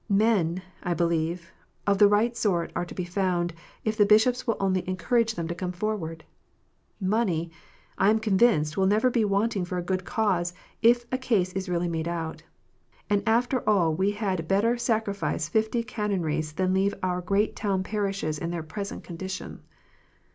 Men, I believe, of the right sort are to be found, if the Bishops will only encourage them to come forward. Money, I am convinced, will never be wanting for a good cause, if a case is really made out. And after all we had better sacrifice fifty Canonries than leave our great town parishes in their present condition.